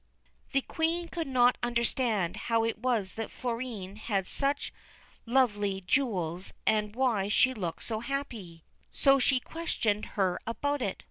The Queen could not understand how it was that Florine had such lovely jewels and why she looked so happy, so she questioned her about it.